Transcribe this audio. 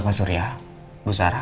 pak surya bu sarah